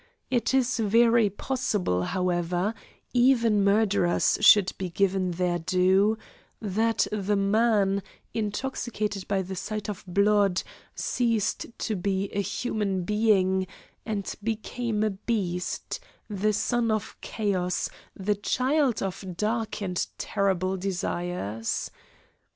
It is very possible, however even murderers should be given their due that the man, intoxicated by the sight of blood, ceased to be a human being and became a beast, the son of chaos, the child of dark and terrible desires.